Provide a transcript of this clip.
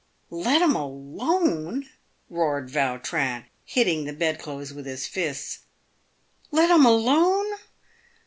" Let 'em alone!" roared Vautrin, hitting the bedclothes with his fists. " Let 'em alone